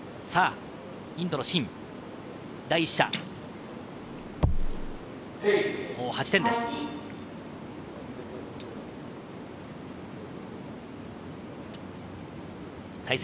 インドのシン、第１射、８点です。